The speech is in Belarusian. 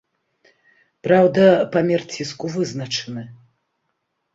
Праўда, памер ціску вызначаны.